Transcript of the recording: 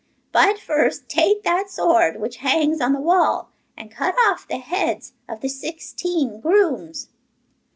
But first take that sword which hangs on the wall, and cut off the heads of the sixteen grooms.